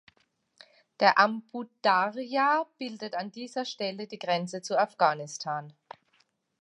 Der Amudarja bildet an dieser Stelle die Grenze zu Afghanistan.